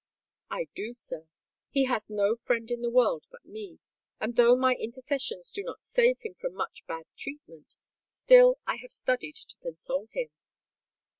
"I do, sir. He has no friend in the world but me; and, though my intercessions do not save him from much bad treatment, still I have studied to console him."